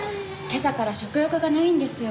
今朝から食欲がないんですよ。